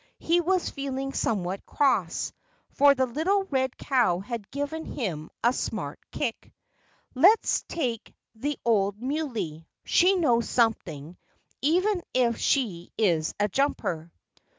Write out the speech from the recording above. He was feeling somewhat cross, for the little red cow had given him a smart kick. "Let's take the old Muley. She knows something, even if she is a jumper."